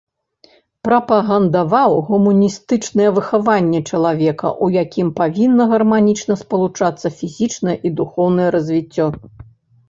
Прапагандаваў гуманістычнае выхаванне чалавека, у якім павінна гарманічна спалучацца фізічнае і духоўнае развіццё.